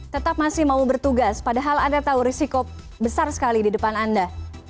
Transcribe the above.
tetap masih mau bertugas padahal anda tahu risiko besar sekali di depan anda